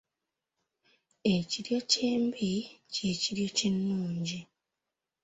Ekiryokya embi, kye kiryokya n'ennungi ".